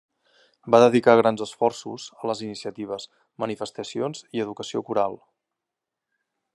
Va dedicar grans esforços a les iniciatives, manifestacions i educació coral.